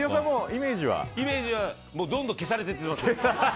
イメージはどんどん消されていってます。